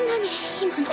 今の。